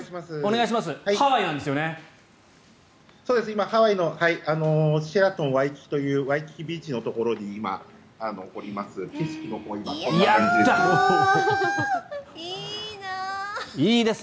今、ハワイのシェラトン・ワイキキというワイキキビーチのところに今、おります。